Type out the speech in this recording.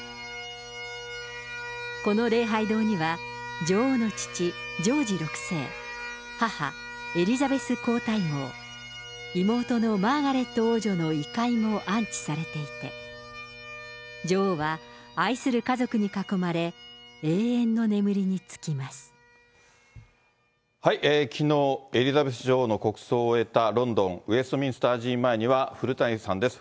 この礼拝堂には、女王の父、ジョージ６世、母、エリザベス皇太后、妹のマーガレット王女の遺灰も安置されていて、女王は愛する家族に囲まれ、きのう、エリザベス女王の国葬を終えた、ロンドン・ウェストミンスター寺院前には古谷さんです。